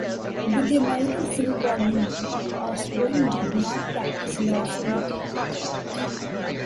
With the American Civil War looming, Osborn did not practice law for long.